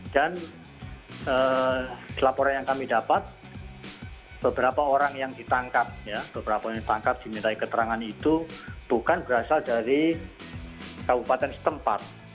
dan laporan yang kami dapat beberapa orang yang ditangkap diminta keterangan itu bukan berasal dari kabupaten setempat